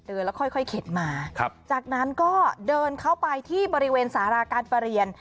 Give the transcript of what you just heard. แล้วค่อยเข็นมาจากนั้นก็เดินเข้าไปที่บริเวณสาราการประเรียน